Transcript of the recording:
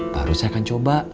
baru saya akan coba